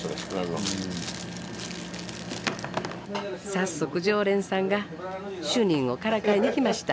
早速常連さんが主任をからかいに来ました。